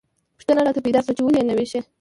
پوښتنه راته پیدا شوه چې ولې یې نه ویشي.